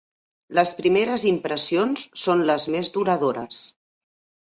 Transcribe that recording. Les primeres impressions són les més duradores.